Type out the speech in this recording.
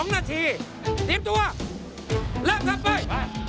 ๒นาทีรีบตัวเริ่มกลับไป